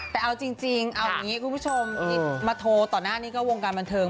แต่เอาจริงเอาอย่างนี้คุณผู้ชมที่มาโทรต่อหน้านี้ก็วงการบันเทิง